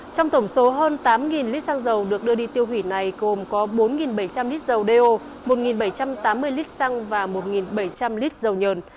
trong tổng số hơn tám lít xăng dầu được đưa đi tiêu hủy này gồm có bốn bảy trăm linh lít dầu do một bảy trăm tám mươi lít xăng và một bảy trăm linh lít dầu nhờn